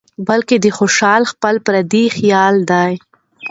بلکې د خوشال خپل فردي خيال دى